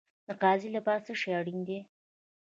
د قاضي لپاره څه شی اړین دی؟